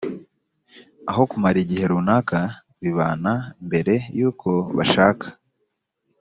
aho kumara igihe runaka bibana mbere y’uko bashaka